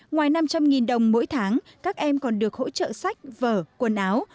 ngoài năm trăm linh đồng mỗi tháng các em còn được hỗ trợ sách vở quần áo